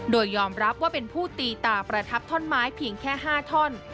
โดยยอมรับว่าเป็นผู้ตีตาประทับท่อนไม้เพียงแค่๕ท่อน